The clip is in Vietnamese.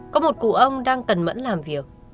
có một cụ ông đang cẩn mẫn làm việc